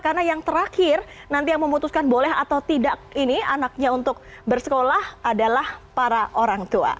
karena yang terakhir nanti yang memutuskan boleh atau tidak ini anaknya untuk bersekolah adalah para orang tua